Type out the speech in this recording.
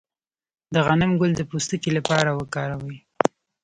د غنم ګل د پوستکي لپاره وکاروئ